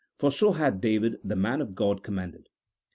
for so had David the man of G od commanded.